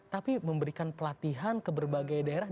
tapi memberikan pelatihan ke berbagai daerah